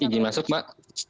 iji masuk mbak